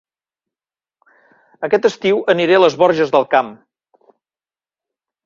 Aquest estiu aniré a Les Borges del Camp